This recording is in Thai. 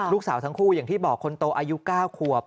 ลูกสาวทั้งคู่อย่างที่บอกคนโตอายุ๙ขวบ